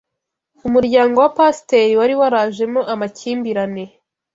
Umuryango wa Pasiteri wari warajemo amakimbirane